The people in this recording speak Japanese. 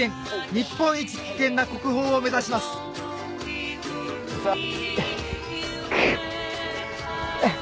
日本一危険な国宝を目指しますハァくっ！